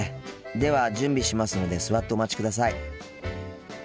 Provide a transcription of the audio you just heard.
では準備しますので座ってお待ちください。